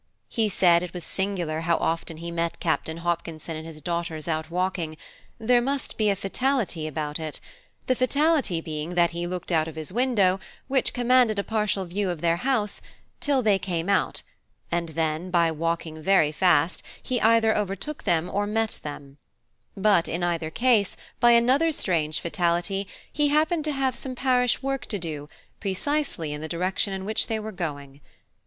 He said it was singular how often he met Captain Hopkinson and his daughters out walking–there must be a fatality about it–the fatality being that he looked out of his window, which commanded a partial view of their house, till they came out, and then, by walking very fast, he either overtook them or met then; and in either case, by another strange fatality, he happened to have some parish work to do precisely in the direction in which they were going.